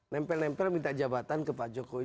nempel nempel minta jabatan ke pak jokowi